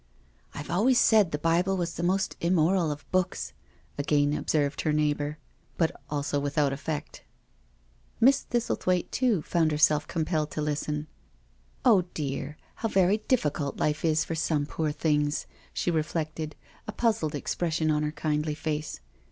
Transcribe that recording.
" I have always said the Bible was the most immoral of books," again observed her neighbour — but also without effect. Miss Thistlethwaite too found herself compelled to listen. " Oh dear, how very difficult life is for some poor things," she reflected, a puzzled expression on her kindly face.